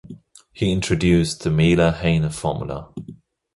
He introduced the Mehler-Heine formula.